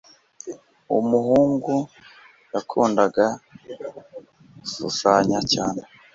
Umuhungu yakundaga gushushanya cyane.